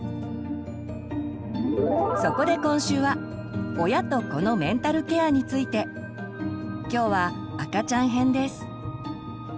そこで今週は親と子のメンタルケアについて。今日は「赤ちゃん編」です。